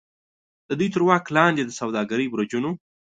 د دوی تر واک لاندې د سوداګرۍ برجونو.